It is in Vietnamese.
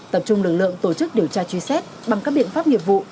tập trung lực lượng tổ chức điều tra truy xét bằng các biện pháp nghiệp vụ